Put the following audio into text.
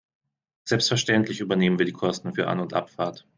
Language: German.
Selbstverständlich übernehmen wir die Kosten für An- und Abfahrt.